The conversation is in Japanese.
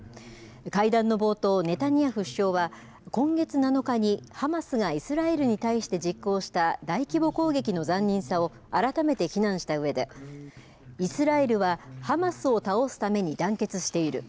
会談の冒頭、ネタニヤフ首相は、今月７日にハマスがイスラエルに対して実行した大規模攻撃の残忍さを改めて非難したうえで、イスラエルはハマスを倒すために団結している。